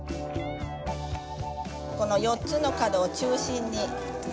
この４つの角を中心に。